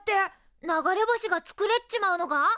流れ星が作れっちまうのか！？